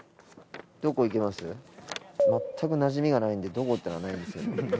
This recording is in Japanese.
まったくなじみがないんでどこっていうのないんですよね。